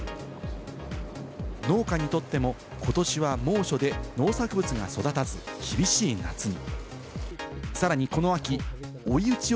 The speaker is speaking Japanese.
農家にとっても、ことしは猛暑で農作物が育たず、厳しい夏に。